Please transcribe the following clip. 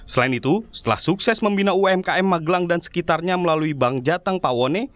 selain itu setelah sukses membina umkm magelang dan sekitarnya melalui bank jateng pawone